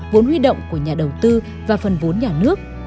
vốn huy động của nhà đầu tư và phần vốn nhà nước